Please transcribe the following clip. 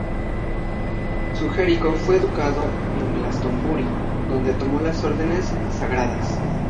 Sigerico fue educado en Glastonbury, donde tomó las órdenes sagradas.